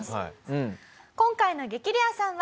今回の激レアさんは。